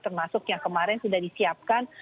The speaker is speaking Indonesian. termasuk yang kemarin sudah disiapkan